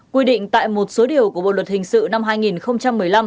quy định tại một số điều của bộ luật hình sự năm hai nghìn một mươi năm